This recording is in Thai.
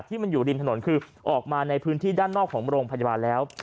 ที่มันอยู่ริมถนนคือออกมาในพื้นที่ด้านนอกของโรงพยาบาลแล้ว